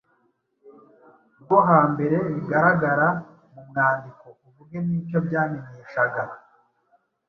rwo hambere bigaragara mu mwandiko uvuge n’icyo byamenyeshaga.